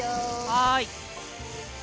はい。